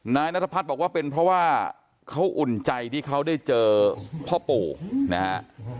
นายนัทพัฒน์บอกว่าเป็นเพราะว่าเขาอุ่นใจที่เขาได้เจอพ่อปู่นะฮะ